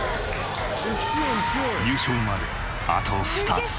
優勝まであと２つ。